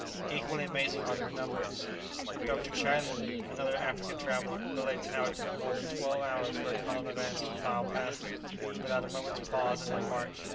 Equally amazing are their numbers; Du Chaillu, another African traveller, relates how it took more than twelve hours for a column of ants to file pass him, without a moment's pause in their march.